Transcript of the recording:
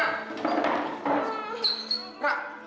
aduh duh duh duh